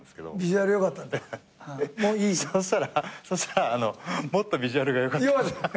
そうしたらもっとビジュアルが良かった。